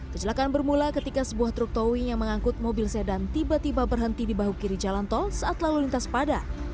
kecelakaan bermula ketika sebuah truk towing yang mengangkut mobil sedan tiba tiba berhenti di bahu kiri jalan tol saat lalu lintas padat